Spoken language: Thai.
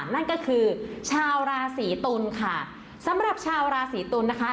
นั่นก็คือชาวราศีตุลค่ะสำหรับชาวราศีตุลนะคะ